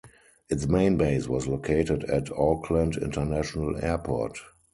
Its main base was located at Auckland International Airport.